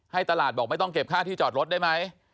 ตลาดบอกไม่ต้องเก็บค่าที่จอดรถได้ไหม